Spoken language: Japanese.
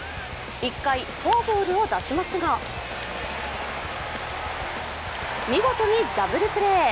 １回、フォアボールを出しますが、見事にダブルプレー。